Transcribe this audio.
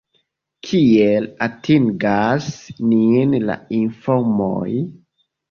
Kiel atingas nin la informoj?